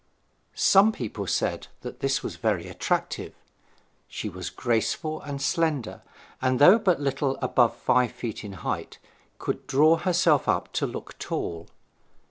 Some people said that this was very attractive. She was graceful and slender, and, though but little above five feet in height, could draw herself up to look tall.